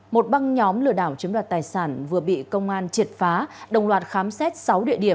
một băng nhóm lừa đảo chiếm đoạt tài sản vừa bị công an triệt phá đồng loạt khám xét sáu địa điểm